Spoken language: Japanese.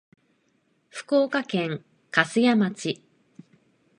福岡県粕屋町